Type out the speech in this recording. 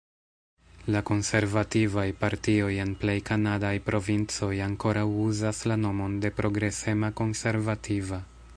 La konservativaj partioj en plej kanadaj provincoj ankoraŭ uzas la nomon de Progresema Konservativa.